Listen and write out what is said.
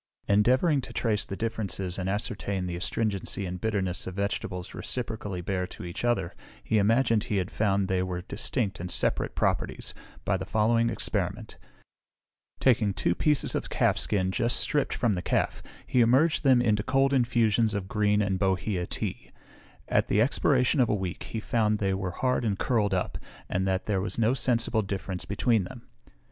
Endeavouring to trace the differences and ascertain the astringency and bitterness of vegetables reciprocally bear to each other, he imagined he had found they were distinct and separate properties, by the following experiment: Taking two pieces of calf skin just stripped from the calf, he immerged them in cold infusions of green and bohea tea; at the expiration of a week he found they were hard and curled up, and that there was no sensible difference between them.